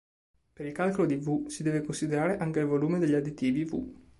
Per il calcolo di V si deve considerare anche il volume degli additivi V